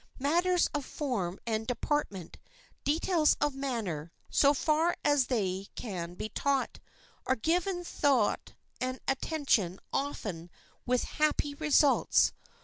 Matters of form and deportment, details of manner, so far as they can be taught, are given thought and attention often with happy results.